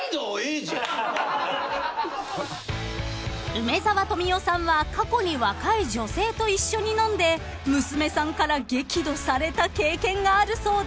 ［梅沢富美男さんは過去に若い女性と一緒に飲んで娘さんから激怒された経験があるそうです］